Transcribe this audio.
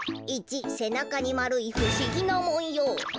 １せなかにまるいふしぎなもんよう。